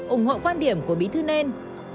ủng hộ quan điểm của bí thư nên